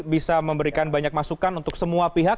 bisa memberikan banyak masukan untuk semua pihak